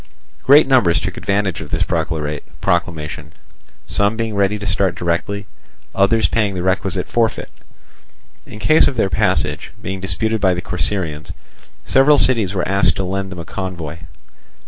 Great numbers took advantage of this proclamation, some being ready to start directly, others paying the requisite forfeit. In case of their passage being disputed by the Corcyraeans, several cities were asked to lend them a convoy.